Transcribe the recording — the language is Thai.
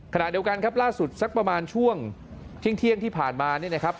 ขณะเดียวกันครับล่าสุดสักประมาณช่วงเที่ยงที่ผ่านมานี่นะครับ